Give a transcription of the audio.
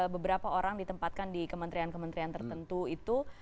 beberapa orang ditempatkan di kementerian kementerian tertentu itu